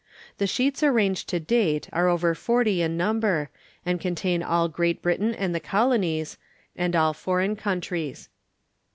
The Sheets arranged to date are over forty in number, and contain all Great Britain and the Colonies, and all Foreign Countries.